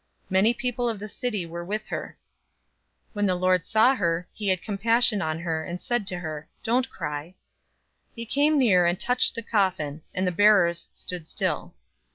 Many people of the city were with her. 007:013 When the Lord saw her, he had compassion on her, and said to her, "Don't cry." 007:014 He came near and touched the coffin, and the bearers stood still.